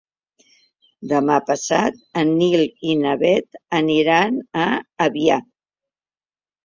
Demà passat en Nil i na Bet aniran a Avià.